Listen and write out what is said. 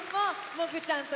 もぐちゃんも！